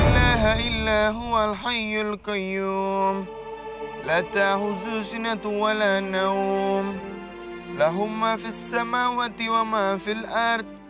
saat ini adalah mulutnya